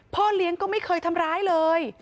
พ่อเลี้ยงก็ไม่เคยทำร้ายเลย